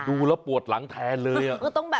ดูแล้วปวดหลังแทนเลย